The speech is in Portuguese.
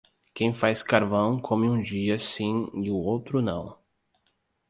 Quem faz carvão come um dia sim e o outro não.